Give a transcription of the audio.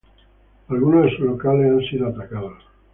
Algunos de sus locales han sido atacados.